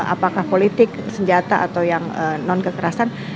apakah politik senjata atau yang non kekerasan